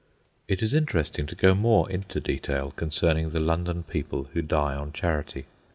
It is interesting to go more into detail concerning the London people who die on charity.